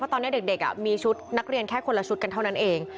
ตอนนี้เด็กมีชุดนักเรียนแค่คนละชุดกันเท่านั้นเอง